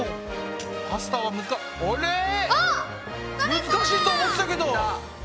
むずかしいと思ってたけど。